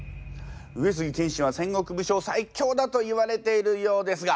上杉謙信は戦国武将最強だといわれているようですが。